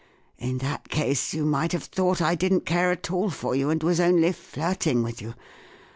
In that case you might have thought I didn't care at all for you, and was only flirting with you.